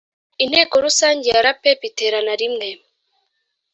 inteko rusange ya rapep iterana rimwe